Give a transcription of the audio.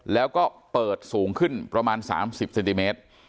แล้วก็เปิดสูงขึ้นประมาณ๓๐เซนติเมตร